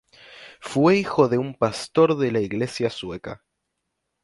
Fue hijo de un pastor de la iglesia sueca.